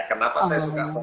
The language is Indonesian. kenapa saya suka batik